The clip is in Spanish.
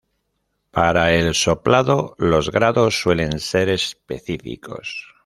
Para el soplado los grados suelen ser específicos.